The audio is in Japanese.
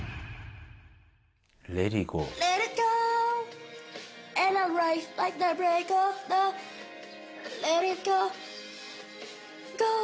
レリゴー。